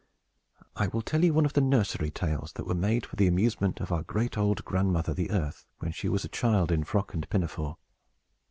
I will tell you one of the nursery tales that were made for the amusement of our great old grandmother, the Earth, when she was a child in frock and pinafore.